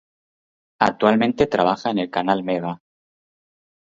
Actualmente trabaja en el canal Mega.